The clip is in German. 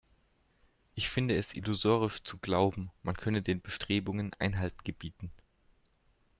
Ich finde es illusorisch zu glauben, man könne den Bestrebungen Einhalt gebieten.